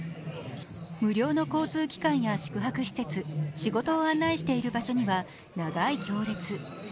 無料の交通機関や宿泊施設仕事を案内している場所には長い行列。